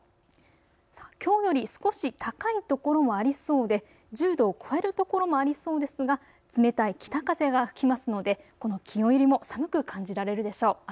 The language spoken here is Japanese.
きょうより少し高いところもありそうで、１０度を超えるところもありそうですが冷たい北風が吹きますのでこの気温よりも寒く感じられるでしょう。